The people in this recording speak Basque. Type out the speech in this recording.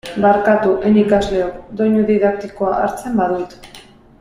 Barkatu, ene ikasleok, doinu didaktikoa hartzen badut.